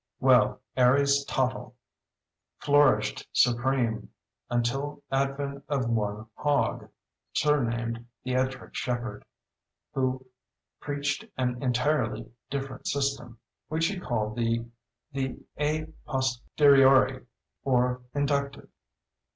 Well, Aries Tottle flourished supreme until advent of one Hog, surnamed the "Ettrick Shepherd," who preached an entirely different system, which he called the a posteriori or inductive.